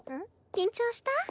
緊張した？